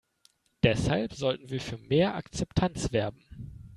Deshalb sollten wir für mehr Akzeptanz werben.